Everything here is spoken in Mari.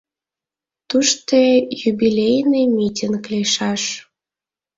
Тыште юбилейный митинг лийшаш.